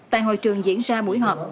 tại hội trường diễn ra buổi họp